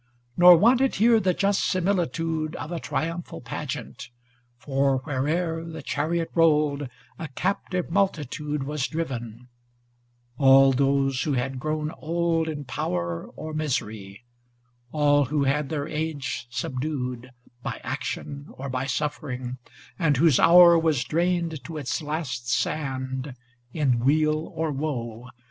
Nor wanted here the just similitude Of a triumphal pageant, for, where'er The chariot rolled, a captive multitude Was driven; ŌĆö all those who had grown old in power 120 Or misery; all who had their age subdued By action or by suffering, and whose hour Was drained to its last sand in weal or woe.